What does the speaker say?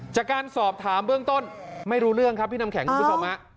จากการสอบถามเบื้องต้นไม่รู้เรื่องครับพี่น้ำแข็งคุณผู้ชมฮะ